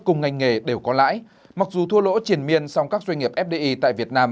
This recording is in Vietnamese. cùng ngành nghề đều có lãi mặc dù thua lỗ triển miên song các doanh nghiệp fdi tại việt nam